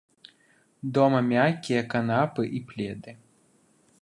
Дома мяккія канапы і пледы.